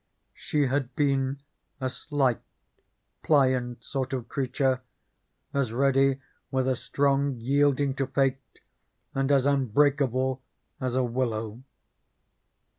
She had been a slight, pliant sort of creature, as ready with a strong yielding to fate and as unbreakable as a willow.